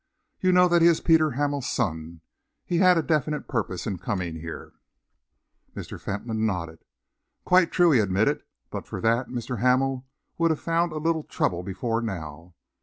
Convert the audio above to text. You know that he is Peter Hamel's son. He had a definite purpose in coming here." Mr. Fentolin nodded. "Quite true," he admitted. "But for that, Mr. Hamel would have found a little trouble before now.